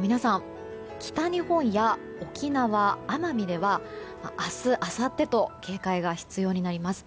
皆さん、北日本や沖縄、奄美では明日、あさってと警戒が必要になります。